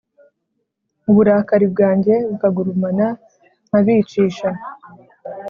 uburakari bwanjye bukagurumana nkabicisha